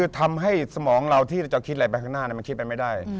ทำให้สมองเราที่เราจะคิดอะไรไปข้างหน้ามันคิดไปไม่ได้